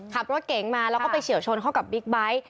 ขับรถเก๋งมาแล้วก็ไปเฉียวชนเข้ากับบิ๊กไบท์